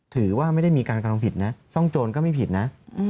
ถือว่าไม่ได้มีการกระทำผิดนะซ่องโจรก็ไม่ผิดนะ